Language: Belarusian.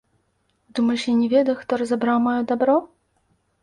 Думаеш, я не ведаю, хто разабраў маё дабро?